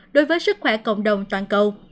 đối với sức khỏe cộng đồng toàn cầu